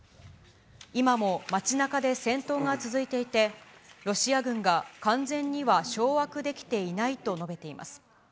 今も街なかで戦闘が続いていて、ロシア軍が完全には掌握できていないと述べています。